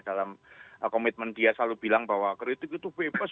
dalam komitmen dia selalu bilang bahwa kritik itu bebas